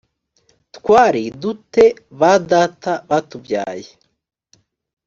twari du te ba data batubyaye